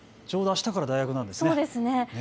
ちょうどあしたから大学なんですね。